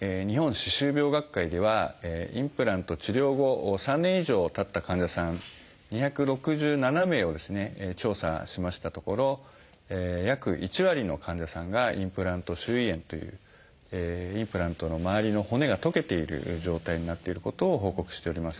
日本歯周病学会ではインプラント治療後３年以上たった患者さん２６７名をですね調査しましたところ約１割の患者さんがインプラント周囲炎というインプラントの周りの骨が溶けている状態になっていることを報告しております。